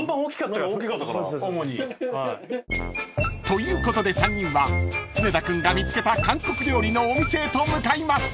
［ということで３人は常田君が見つけた韓国料理のお店へと向かいます］